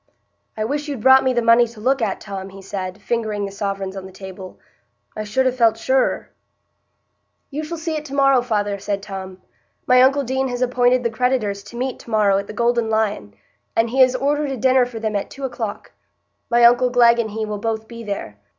"I wish you'd brought me the money to look at, Tom," he said, fingering the sovereigns on the table; "I should ha' felt surer." "You shall see it to morrow, father," said Tom. "My uncle Deane has appointed the creditors to meet to morrow at the Golden Lion, and he has ordered a dinner for them at two o'clock. My uncle Glegg and he will both be there.